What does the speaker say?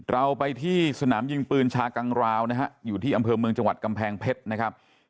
เราไปที่สนามยิงปืนชากังราวนะฮะอยู่ที่อำเภอเมืองจังหวัดกำแพงเพชรนะครับ